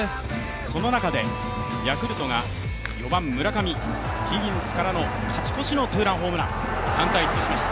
その中でヤクルトが４番・村上、ヒギンスからの勝ち越しのツーランホームラン、３−１としました。